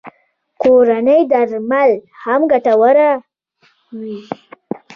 کورنۍ درملنه هم ګټوره وي